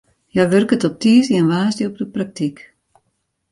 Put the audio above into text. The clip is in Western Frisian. Hja wurket op tiisdei en woansdei op de praktyk.